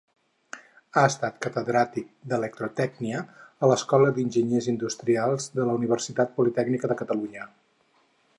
Ha estat catedràtic d'Electrotècnia a l'Escola d'Enginyers Industrials de la Universitat Politècnica de Catalunya.